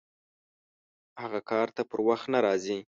هغه کار ته پر وخت نه راځي!